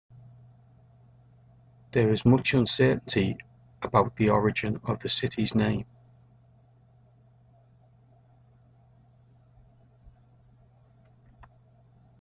There is much uncertainty about the origin of the city's name.